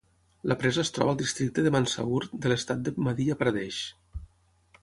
La presa es troba al districte de Mandsaur de l'estat de Madhya Pradesh.